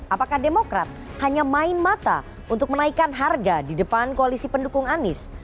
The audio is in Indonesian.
apakah demokrat hanya main mata untuk menaikkan harga di depan koalisi pendukung anies